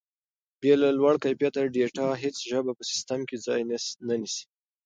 بې له لوړ کیفیت ډیټا هیڅ ژبه په سیسټم کې ځای نه نیسي.